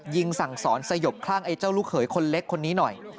ยิงสั่งสอนสยบคลั่งไอ้เจ้าลูกเขยคนเล็กคนนี้หน่อย